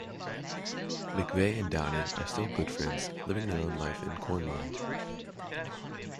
McVay and Downing are still good friends living their own life in Cornwall.